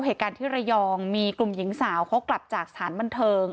เหตุการณ์ที่ระยองมีกลุ่มหญิงสาวเขากลับจากสถานบันเทิง